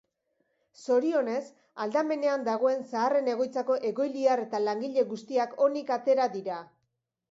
Zorionez, aldamenean dagoen zaharren egoitzako egoiliar eta langile guztiak onik atera dira.